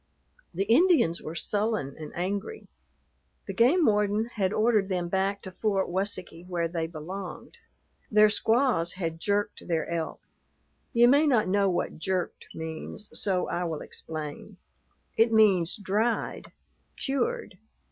The Indians were sullen and angry. The game warden had ordered them back to Fort Washakie, where they belonged. Their squaws had jerked their elk. You may not know what jerked means, so I will explain: it means dried, cured.